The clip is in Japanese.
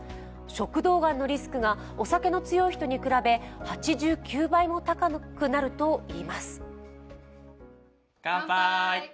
食道がんのリスクがお酒の強い人に比べ８９倍も高くなるといいます。